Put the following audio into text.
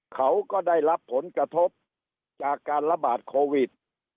เขาก็ได้รับผลกระทบจากการระบาดโควิด